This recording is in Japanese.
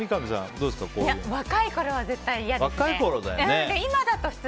若いころは絶対嫌ですね。